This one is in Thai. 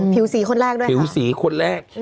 ผิวสีคนแรกด้วยผิวสีคนแรก